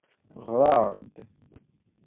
Ɣer-aɣ-d.